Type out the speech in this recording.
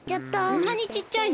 そんなにちっちゃいの？